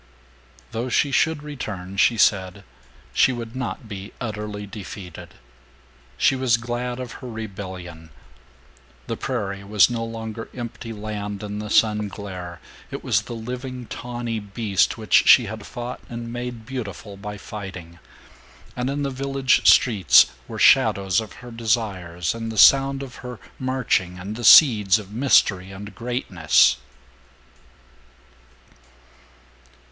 Though she should return, she said, she would not be utterly defeated. She was glad of her rebellion. The prairie was no longer empty land in the sun glare; it was the living tawny beast which she had fought and made beautiful by fighting; and in the village streets were shadows of her desires and the sound of her marching and the seeds of mystery and greatness.